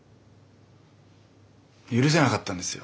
許せなかったんですよ。